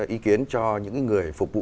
ý kiến cho những người phục vụ